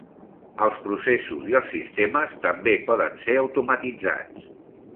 Els processos i els sistemes també poden ser automatitzats.